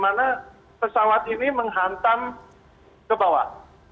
masalah adalah bagaimana pesawat ini menghantam ke bawah